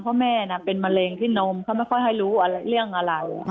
เพราะแม่เป็นมะเร็งที่นมเขาไม่ค่อยให้รู้เรื่องอะไร